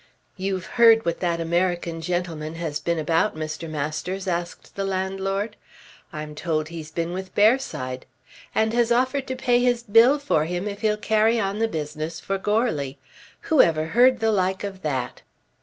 "You've heard what that American gentleman has been about, Mr. Masters?" asked the landlord. "I'm told he's been with Bearside." "And has offered to pay his bill for him if he'll carry on the business for Goarly. Whoever heard the like of that?"